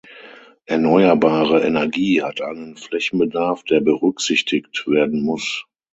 Erneuerbare Energie hat einen Flächenbedarf der berücksichtigt werden muss.